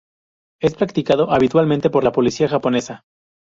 Es practicado habitualmente por la policía japonesa.